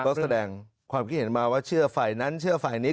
ก็แสดงความคิดเห็นมาว่าเชื่อฝ่ายนั้นเชื่อฝ่ายนี้